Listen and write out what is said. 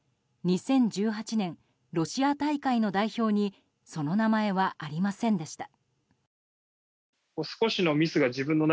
２０１８年ロシア大会の代表にその名前はありませんでした。